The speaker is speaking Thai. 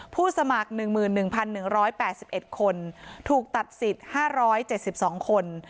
ผู้สมัครหนึ่งหมื่นหนึ่งพันหนึ่งร้อยแปดสิบเอ็ดคนถูกตัดสิทธิ์ห้าร้อยเจ็ดสิบสองคน